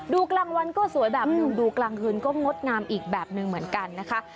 กลางวันก็สวยแบบหนึ่งดูกลางคืนก็งดงามอีกแบบหนึ่งเหมือนกันนะคะ